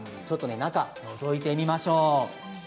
ちょっと中をのぞいてみましょう。